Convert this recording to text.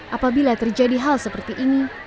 apabila terjadi hal seperti ini